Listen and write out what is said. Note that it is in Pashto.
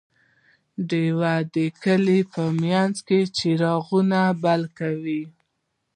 ډیوې د کلي په منځ کې څراغونه بل کړل.